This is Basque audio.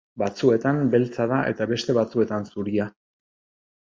Batzuetan beltza da eta beste batzuetan zuria.